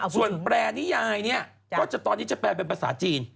ส่วนแปรนิยายเนี่ยก็จะตอนนี้จะแปลเป็นภาษาจีน